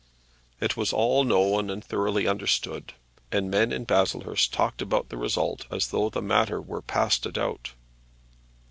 It was all known and thoroughly understood; and men in Baslehurst talked about the result as though the matter were past a doubt.